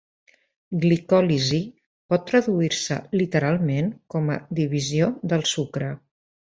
Glicòlisi pot traduir-se literalment com a "divisió del sucre".